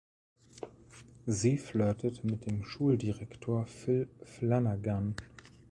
Sie flirtet mit dem Schuldirektor Phil Flanagan.